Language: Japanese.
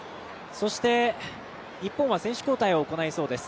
そして、日本は選手交代を行いそうです。